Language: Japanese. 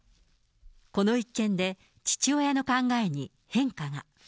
この一件で、父親の考えに変化が。